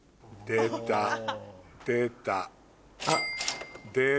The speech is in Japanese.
出た出た。